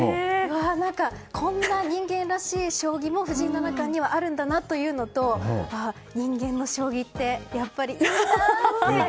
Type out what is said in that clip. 何かこんな人間らしい将棋も藤井七冠にはあるんだなというのと人間の将棋ってやっぱり、いいなって。